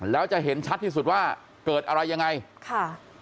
แล้วจะเห็นชัดที่สุดว่าเกิดอะไรยังไงค่ะ